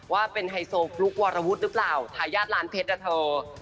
ว่าเป็นไฮโซฟลุ๊กวรวุฒิหรือเปล่าทายาทร้านเพชรอะเธอ